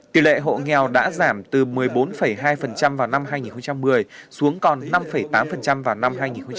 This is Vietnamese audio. tỷ lệ hộ nghèo đã giảm từ một mươi bốn hai vào năm hai nghìn một mươi xuống còn năm tám vào năm hai nghìn một mươi bảy